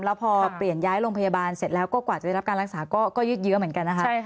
แล้วพอเปลี่ยนย้ายโรงพยาบาลเสร็จแล้วก็กว่าจะได้รับการรักษาก็ยืดเยอะเหมือนกันนะคะ